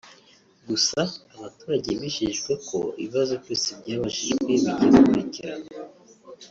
gusa abaturage bijejewe ko ibibazo byose byabajijwe bigiye gukurikiranwa